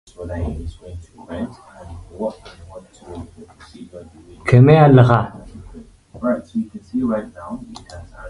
እቲ እግሪ፡ ሓንቲ ዓክዓካሪቶን ጽፍሪ ዘለዎ ሓሙሽተ ኣጻብዕትን ዘለዎ እዩ።